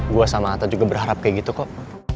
gue sama atta juga berharap kayak gitu kok